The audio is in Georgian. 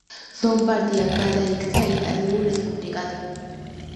ლომბარდია გადაიქცა იტალიურ რესპუბლიკად.